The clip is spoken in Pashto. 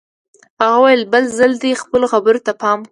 هغه وویل بل ځل دې خپلو خبرو ته پام کوه